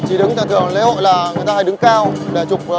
xin được cảm ơn nhóm ảnh gia quý trần với những chia sẻ của anh